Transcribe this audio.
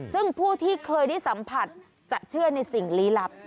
ซึ่งผู้ที่เคยได้สัมผัสจะเชื่อในสิ่งลี้ลับ